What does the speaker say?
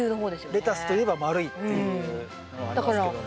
レタスといえば丸いっていうのはありますけども。